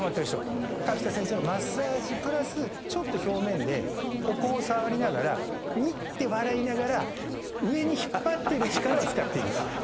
河北先生のマッサージプラスちょっと表面でここを触りながらにっ！って笑いながら上に引っ張ってる力を使っている。